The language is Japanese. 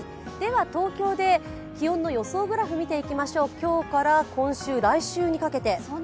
東京で気温の予想グラフを見ていきましょう、今日から今週、来週にかけて。